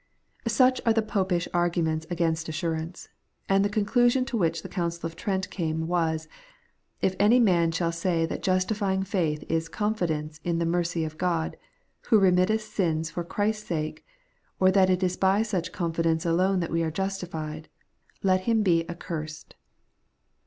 Such are the Popish arguments against assurance, and the conclusion to which the Council of Trent came was :' If any man shall say that justifying faith is confidence in the mercy of God, who remitteth sins for Christ's sake, or that it is by such confidence alone that we are justified, let him be accursed.'